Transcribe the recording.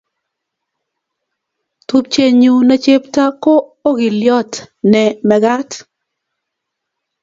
tupchenyu ne chepto ko okiliot ne mekat.